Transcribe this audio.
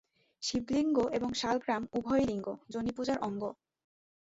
শিবলিঙ্গ এবং শালগ্রাম উভয়ই লিঙ্গ-যোনিপূজার অঙ্গ।